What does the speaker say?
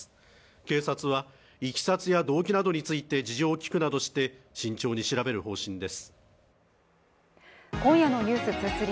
警察はいきさつや動機などについて事情を聴くなどして慎重に調べる方針です